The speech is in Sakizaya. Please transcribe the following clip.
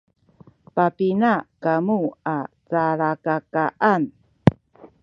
papina kamu a calkakaan?